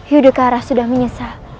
yudhikara sudah menyesal